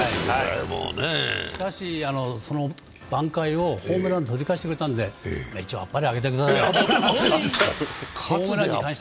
しかし、その挽回をホームランで取り返してくれたんで、一応、あっぱれあげてください。